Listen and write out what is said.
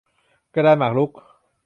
กระดานหมากรุก